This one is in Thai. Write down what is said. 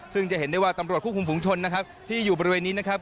ซึ่งจะเห็นได้ว่าตำรวจควบคุมฝุงชนนะครับที่อยู่บริเวณนี้นะครับ